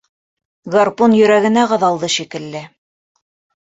Гарпун йөрәгенә ҡаҙалды, шикелле.